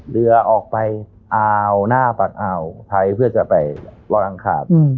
เรือออกไปอ่าวหน้าฝั่งอ่าวใช้เพื่อจะไปรอดังขาดอืม